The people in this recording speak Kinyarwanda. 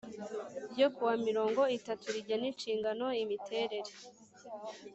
ryo ku wa mirongo itatu rigena inshingano imiterere